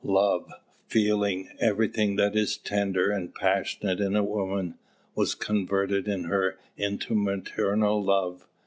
Love, feeling, everything that is tender and passionate in a woman, was converted in her into maternal love.